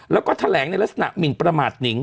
แล้วก็แถลงในลักษณะหมินประมาทหนิง